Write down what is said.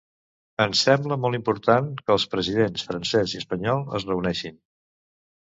Ens sembla molt important que els presidents francès i espanyol es reuneixin.